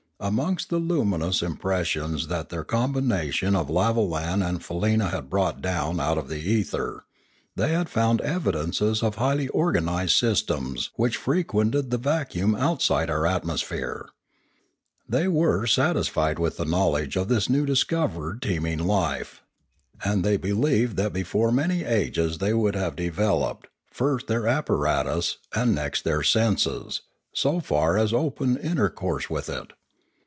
Amongst the luminous impressions that their combina tion of lavolan and faleena had brought down out of the ether, they had found evidences of highly organised systems which frequented the vacuum outside our at mosphere. They were satisfied with the knowledge of this new discovered teeming life, and they believed that before many ages they would have developed, first Pioneering 481 their apparatus, and next their senses, so far as to open intercourse with it.